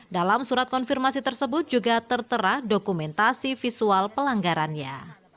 dalam surat konfirmasi tersebut juga tertera dokumentasi visual pelanggarannya